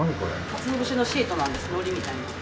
かつお節のシートなんです海苔みたいな。